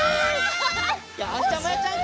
よしじゃあまやちゃん